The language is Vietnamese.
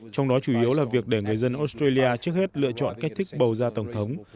trong đó chủ yếu là việc để người dân australia trước hết lựa chọn cách thức bầu ra tổng thống